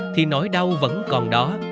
thì nỗi đau vẫn còn đó